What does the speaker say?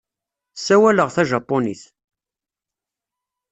Ssawaleɣ tajapunit.